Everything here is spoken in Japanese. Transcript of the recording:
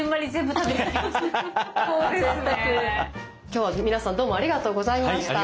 今日は皆さんどうもありがとうございました。